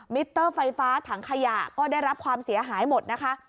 มิเตอร์ไฟฟ้าถังขยะก็ได้รับความเสียหายหมดนะคะ